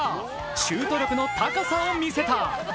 シュート力の高さを見せた。